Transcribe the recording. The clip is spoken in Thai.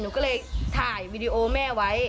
หนูก็เลยถ่ายวีดีโอแม่ไว้